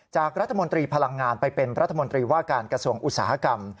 จากรัฐมนตรีพลังงานไปเป็นรัฐมนตรีว่าการกระทรวงอุตสาหกรรม